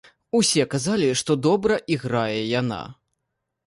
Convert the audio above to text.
Усе казалі, што добра іграе яна.